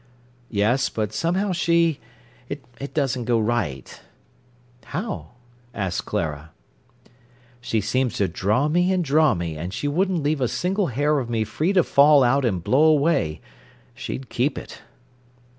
"Yes; but somehow she—it doesn't go right—" "How?" asked Clara. "She seems to draw me and draw me, and she wouldn't leave a single hair of me free to fall out and blow away—she'd keep it."